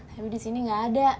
tapi di sini nggak ada